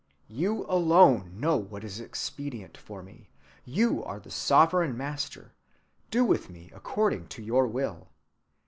You alone know what is expedient for me; you are the sovereign master; do with me according to your will.